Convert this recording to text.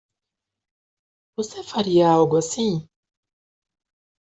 Você faria algo assim?